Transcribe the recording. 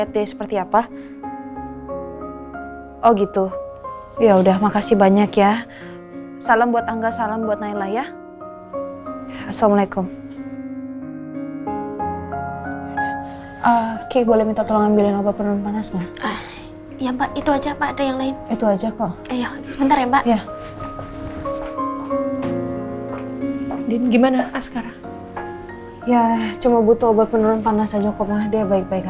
takut takut sesuatu hal yang terjadi